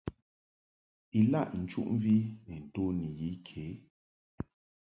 Ilaʼ nchuʼmvi ni nto ni yi ke.